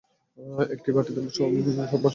একটি বাটিতে সব মসলা মেখে নিতে হবে।